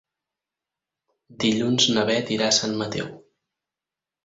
Dilluns na Bet irà a Sant Mateu.